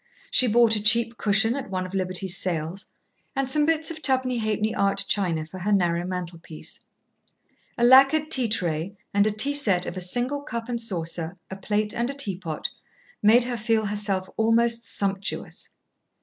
She bought a cheap cushion at one of Liberty's sales, and some bits of twopenny halfpenny art china for her narrow mantelpiece. A lacquered tea tray and a tea set of a single cup and saucer, a plate and a teapot, made her feel herself almost sumptuous.